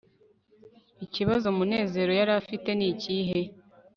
ikibazo munezero yari afite nikihe